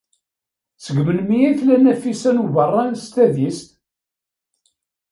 Seg melmi ay tella Nafisa n Ubeṛṛan s tadist?